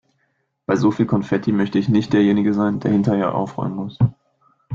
Bei so viel Konfetti möchte ich nicht derjenige sein, der hinterher aufräumen muss.